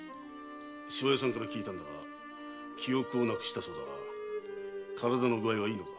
庄屋さんから聞いたんだが記憶をなくしたそうだが身体の具合はいいのか？